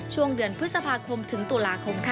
ช่วงเดือนพฤษภาคมถึงตุลาคมค่ะ